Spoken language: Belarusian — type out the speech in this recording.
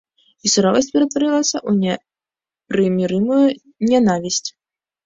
І суровасць ператварылася ў непрымірымую нянавісць.